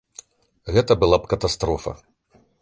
Гэта была б катастрофа.